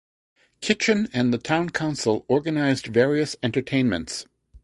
Kitchin and the town council organised various entertainments.